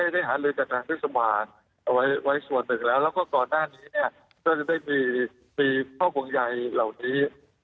ได้หาเลยจากนางพิสมาไว้ส่วนตึกแล้วก็ก่อนหน้านี้เนี่ยก็จะได้มีพ่อผงใหญ่เหล่านี้